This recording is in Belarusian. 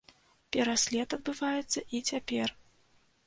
Пераслед адбываецца і цяпер.